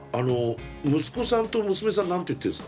息子さんと娘さん何て言ってるんですか？